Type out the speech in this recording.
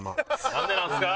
なんでなんですか！